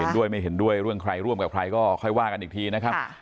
ด้วยไม่เห็นด้วยเรื่องใครร่วมกับใครก็ค่อยว่ากันอีกทีนะครับ